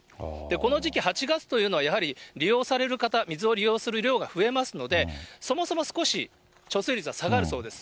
この時期、８月というのは、やはり利用される方、水を利用する量が増えますので、そもそも少し貯水率は下がるそうです。